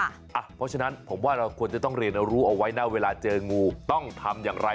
เพราะฉะนั้นผมว่าเราควรจะต้องเรียนรู้เอาไว้นะเวลาเจองูต้องทำอย่างไร